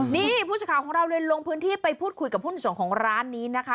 นี่ผู้สื่อข่าวของเราเลยลงพื้นที่ไปพูดคุยกับผู้ในส่วนของร้านนี้นะคะ